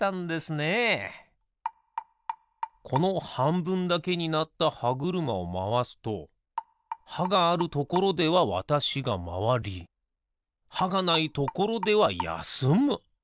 このはんぶんだけになったはぐるまをまわすとはがあるところではわたしがまわりはがないところではやすむ。